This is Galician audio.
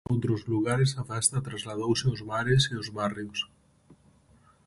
Noutros lugares a festa trasladouse aos bares e aos barrios.